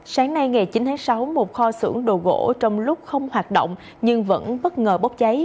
sáng nay ngày chín tháng sáu một kho xưởng đồ gỗ trong lúc không hoạt động nhưng vẫn bất ngờ bốc cháy